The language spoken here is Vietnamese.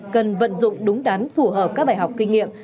cần vận dụng đúng đắn phù hợp các bài học kinh nghiệm